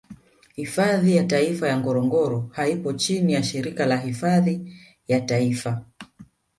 Hifadhi ya Taifa ya Ngorongoro haipo chini ya shirika la hifadhi ya Taifa